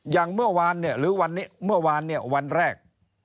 อย่างเมื่อวันเนี่ยหรือวันแรก